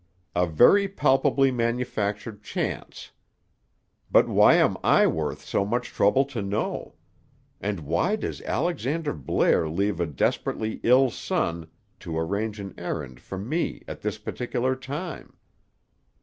A very palpably manufactured chance! But why am I worth so much trouble to know? And why does Alexander Blair leave a desperately ill son to arrange an errand for me at this particular time?